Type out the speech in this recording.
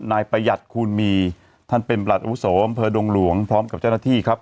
ประหยัดคูณมีท่านเป็นประหลัดอาวุโสอำเภอดงหลวงพร้อมกับเจ้าหน้าที่ครับ